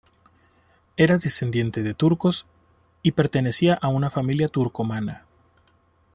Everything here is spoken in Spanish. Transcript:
Era descendiente de turcos y pertenecía a una fam̪ilia turcomana.